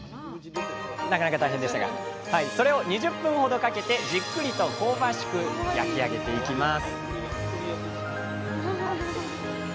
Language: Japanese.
それを２０分ほどかけてじっくりと香ばしく焼き上げていきます